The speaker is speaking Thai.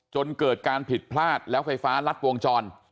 จนเกิดการผิดพลาดแล้วไฟฟ้ารัดวงจร